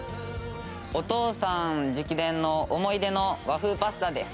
お父さん直伝の思い出の和風パスタです。